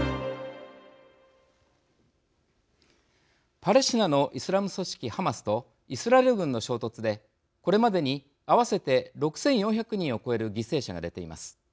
パレスチナのイスラム組織ハマスとイスラエル軍の衝突でこれまでに、合わせて６４００人を超える犠牲者が出ています。